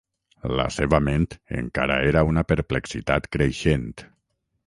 La seva ment encara era una perplexitat creixent.